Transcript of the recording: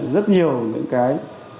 rất nhiều những cái